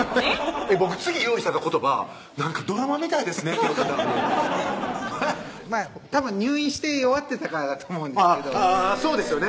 僕次用意してた言葉「なんかドラマみたいですね」って言おうと思ったのにたぶん入院して弱ってたからだと思うんですけどそうですよね